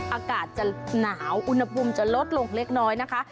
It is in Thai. อากาศจะหนาวอุณหภูมิจะลดลงเล็กน้อยนะคะ